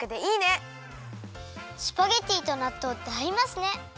スパゲッティとなっとうってあいますね。